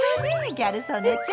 ギャル曽根ちゃん！